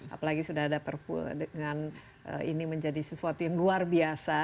apalagi sudah ada perpu dengan ini menjadi sesuatu yang luar biasa